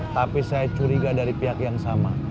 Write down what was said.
tapi saya curiga dari pihak yang sama